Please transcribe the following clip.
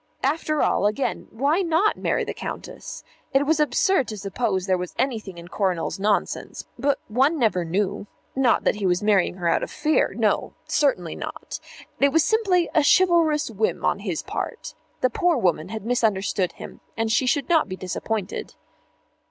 After all, again, why not marry the Countess? It was absurd to suppose there was anything in Coronel's nonsense, but one never knew. Not that he was marrying her out of fear. No; certainly not. It was simply a chivalrous whim on his part. The poor woman had misunderstood him, and she should not be disappointed.